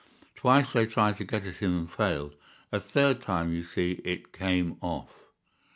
Twice they tried to get at him and failed; a third time, you see, it came off.